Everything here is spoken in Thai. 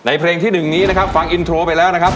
เพลงที่๑นี้นะครับฟังอินโทรไปแล้วนะครับ